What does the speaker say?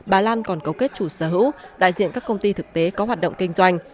bà lan còn cấu kết chủ sở hữu đại diện các công ty thực tế có hoạt động kinh doanh